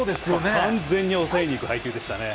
完全に抑えにいく配球でしたね。